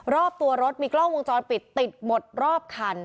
รอบตัวรถมีกล้องวงจรปิดติดหมดรอบคัน